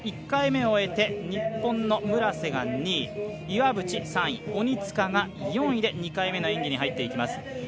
１回目を終えて日本の村瀬が２位岩渕、３位鬼塚が４位で２回目の演技に入っていきます。